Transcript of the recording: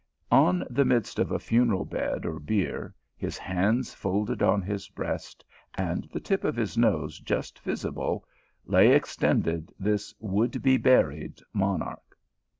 On the midst of a funeral bed or bier, his hands folded on his breast, and the tip of his nose just visible, lay extended this would be buried mon arch.